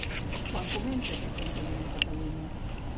Quan comença aquest tancament a Catalunya?